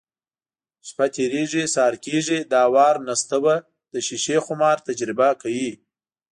شپه تېرېږي، سهار کېږي. دا وار نستوه د شیشې خمار تجربه کوي: